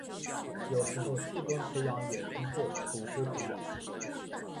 有时候器官培养也称作组织培养。